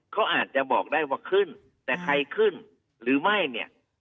เขาอาจจะบอกได้ว่าขึ้นแต่ใครขึ้นหรือไม่เนี่ย